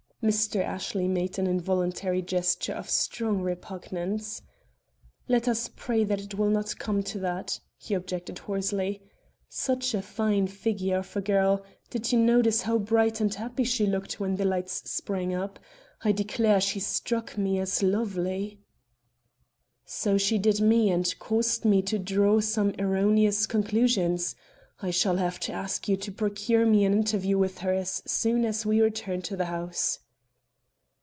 Mr. Ashley made an involuntary gesture of strong repugnance. "Let us pray that it will not come to that," he objected hoarsely. "Such a fine figure of a girl! Did you notice how bright and happy she looked when the lights sprang up? I declare she struck me as lovely." "So she did me, and caused me to draw some erroneous conclusions. I shall have to ask you to procure me an interview with her as soon as we return to the house."